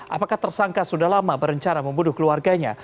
apakah tersangka sudah lama berencana membunuh keluarganya